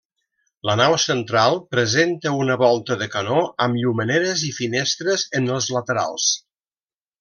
La nau central presenta una volta de canó amb llumeneres i finestres en els laterals.